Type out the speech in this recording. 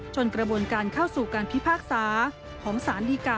กระบวนการเข้าสู่การพิพากษาของสารดีกา